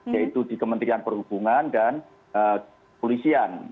yaitu di kementerian perhubungan dan polisian